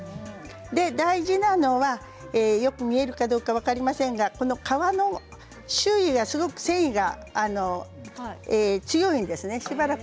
大事なのはよく見えるかどうか分かりませんが皮の周囲がすごく繊維が強いんですね。